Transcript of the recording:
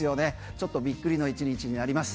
ちょっとびっくりの１日になります。